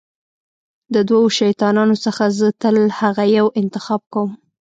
د دوو شیطانانو څخه زه تل هغه یو انتخاب کوم.